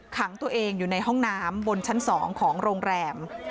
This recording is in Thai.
ขังตัวเองอยู่ในห้องน้ำบนชั้น๒ของโรงแรม